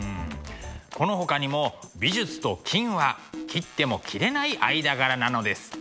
このほかにも美術と金は切っても切れない間柄なのです。